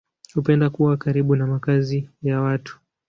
Hupenda kuwa karibu na makazi ya watu.